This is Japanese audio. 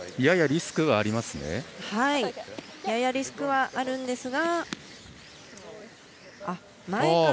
ややリスクはあるんですが。